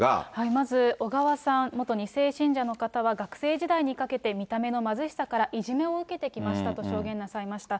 まず、小川さん、元２世信者の方は、学生時代にかけて見た目の貧しさから、いじめを受けてきましたと表現なさいました。